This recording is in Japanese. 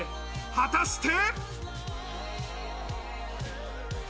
果たして。